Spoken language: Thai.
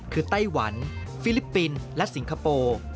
คือไต้หวันฟิลิปปินส์และสิงคโปร์